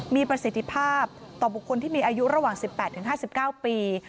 มีประสิทธิภาพต่อบุคคลที่มีอายุระหว่าง๑๘๕๙ปี